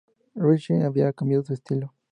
Richie había cambiado su estilo.